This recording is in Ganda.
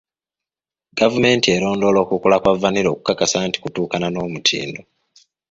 Gavumenti erondoola okukula kwa vanilla okukakasa nti kutuukaana n'omutindo.